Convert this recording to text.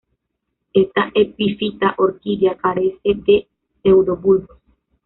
Esta epifita orquídea carece de pseudobulbos.